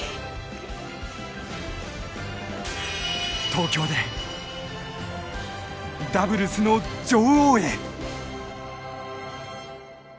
東京で、ダブルスの女王へ！